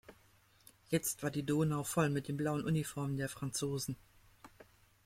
Jetzt war die Donau voll mit den blauen Uniformen der Franzosen.